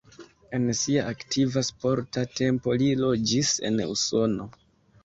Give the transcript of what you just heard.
En sia aktiva sporta tempo li loĝis en Usono.